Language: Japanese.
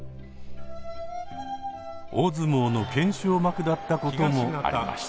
大相撲の懸賞幕だったこともありました。